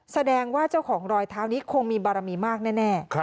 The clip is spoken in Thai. แสดงว่าเจ้าของรอยเท้านี้คงมีบารมีมากแน่